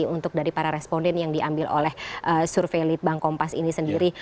untuk dari para responden yang diambil oleh survei litbang kompas ini sendiri